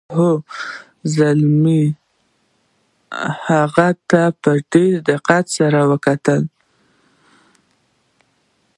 هولمز هغه ته په ډیر دقت سره وکتل.